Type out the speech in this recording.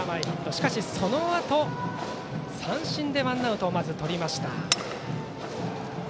しかしそのあと三振でワンアウトまずとりました。